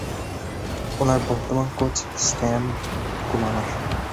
ওনার বর্তমান কোচ শ্যাম কুমার।